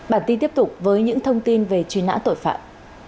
bản tin tiếp tục với những thông tin về truy nã tội phạm